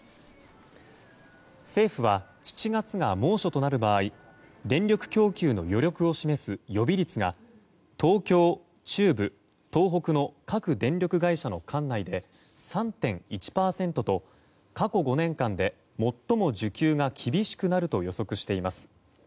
政府は７月が猛暑となる場合電力供給の余力を示す予備率が東京、中部、東北の各電力会社の管内で３．１％と過去５年間で最も需給が厳しくなると予測しています。